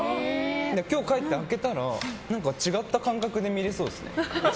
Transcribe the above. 今日帰って開けたら違った感覚で見れそうですね。